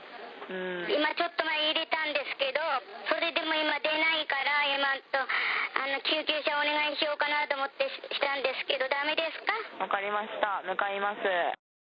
今、ちょっと前に入れたんですけど、それでも今出ないから、救急車お願いしようかなと思ってしたんですけど、分かりました、向かいます。